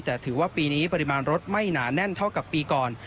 แต่ถือว่าปีนี้ปริมาณรถไม่หนาแน่นเท่ากับปีก่อน